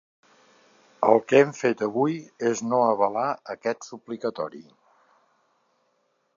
El que hem fet avui és no avalar aquest suplicatori.